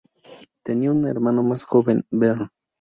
Tenía un hermano más joven, Vern.